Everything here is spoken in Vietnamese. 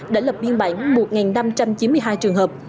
đã lập biên bản một năm trăm chín mươi hai trường hợp